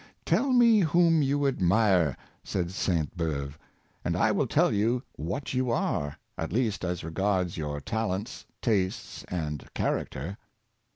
" Tell me whom you admire," said Sainte Beuve, '' and I will tell you what you are, at least as regards your talents, tastes and character.''